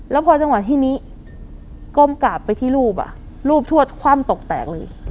แล้วพอจังหวะที่นี้ก้มกราบไปที่ลูบอ่ะลูบถวดความตกแตกเลย